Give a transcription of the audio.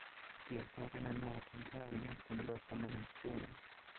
Deltagarna i maratontävlingen kommer löpande längs spåren.